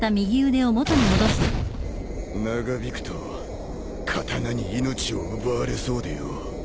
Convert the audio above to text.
長引くと刀に命を奪われそうでよ。